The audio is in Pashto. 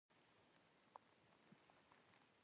سوالګر ته خواخوږي ضروري ده